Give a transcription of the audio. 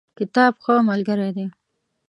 کتاب ښه ملګری دی